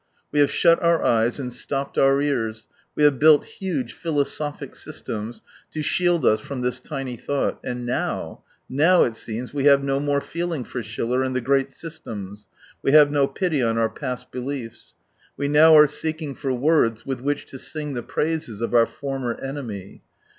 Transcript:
We have shut our eyes and stopped our ears, we have built huge philosophic systems to shield us from this tiny thought. And now — now it seems we have no more feeling for Schiller and the great systems, we have no pity on our past beliefs. We now are seeking for words with which to sing the praises of our former enemy.